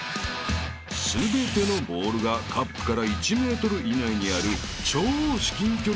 ［全てのボールがカップから１ｍ以内にある］